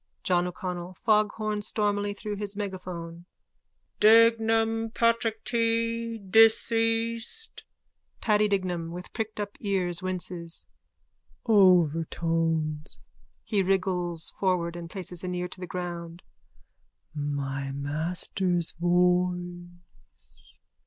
JOHN O'CONNELL: (Foghorns stormily through his megaphone.) Dignam, Patrick T, deceased. PADDY DIGNAM: (With pricked up ears, winces.) Overtones. (He wriggles forward and places an ear to the ground.) My master's voice!